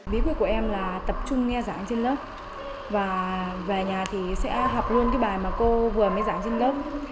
bí quyết của em là tập trung nghe giảng trên lớp và về nhà thì sẽ học luôn cái bài mà cô vừa mới giảng trên lớp